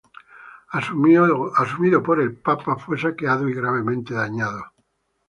Asumido por el Papa, fue saqueado y gravemente dañado.